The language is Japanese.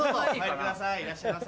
いらっしゃいませ。